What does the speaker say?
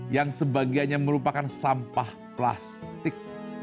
dan sebagiannya merupakan sampah plastik